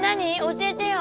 教えてよ！